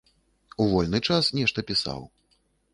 У вольны час нешта пісаў.